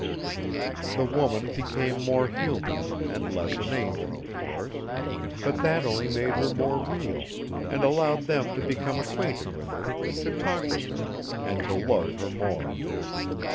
The woman became more human, and less an angel, of course, but that only made her more real, and allowed them to become acquainted with her, to talk with her, and to love her more.